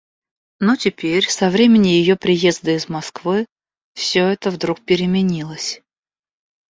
Но теперь, со времени ее приезда из Москвы, всё это вдруг переменилось.